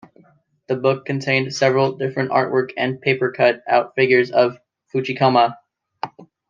The book contains several different artwork and paper cut out figures of the Fuchikoma.